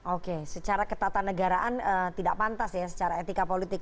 oke secara ketatanegaraan tidak pantas ya secara etika politik